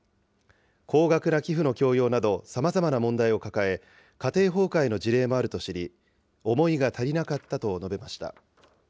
高額な寄付の強要など、さまざまな問題を抱え、家庭崩壊の事例もあると知り、思いが足りなかったと述べました。